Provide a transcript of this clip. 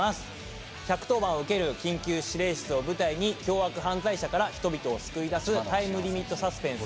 １１０番を受ける緊急指令室を舞台に凶悪犯罪者から人々を救い出すタイムリミットサスペンスです。